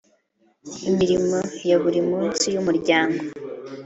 imirimo ya buri munsi y’umuryango,